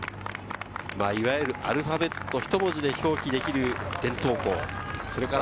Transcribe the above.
いわゆるアルファベット一文字で表記できる伝統校。